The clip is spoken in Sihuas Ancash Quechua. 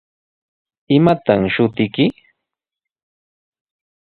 ¿Imataq shutiyki?